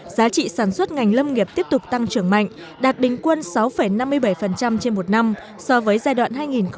giá trị sản xuất ngành lâm nghiệp tiếp tục tăng trưởng mạnh đạt bình quân sáu năm mươi bảy trên một năm so với giai đoạn hai nghìn một mươi một hai nghìn một mươi tám